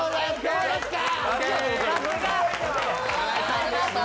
ありがとう。